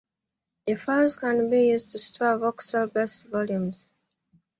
The files can be used to store voxel-based volumes.